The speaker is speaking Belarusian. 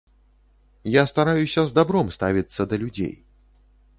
Я стараюся з дабром ставіцца да людзей.